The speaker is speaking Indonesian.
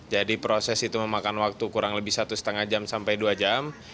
jadi proses itu memakan waktu kurang lebih satu lima sampai dua jam